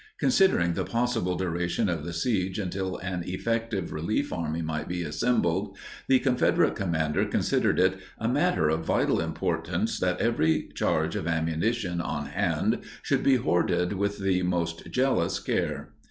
Considering the possible duration of the siege until an effective relief army might be assembled, the Confederate commander considered it "a matter of vital importance that every charge of ammunition on hand should be hoarded with the most jealous care."